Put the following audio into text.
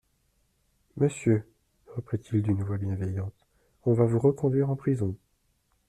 Monsieur, reprit-il d'une voix bienveillante, on va vous reconduire en prison.